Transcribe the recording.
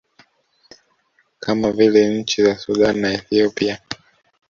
kama vile nchi za Sudan na Ethiopia